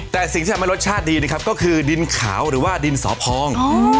แต่สิ่งที่ทำให้รสชาติดีนะครับก็คือดินขาวหรือว่าดินสอพอง